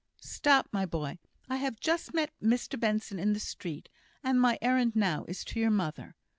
"Stop, my boy! I have just met Mr Benson in the street, and my errand now is to your mother.